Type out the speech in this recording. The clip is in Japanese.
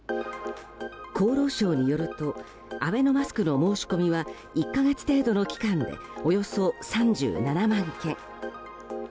厚労省によるとアベノマスクの申し込みは１か月程度の期間でおよそ３７万件。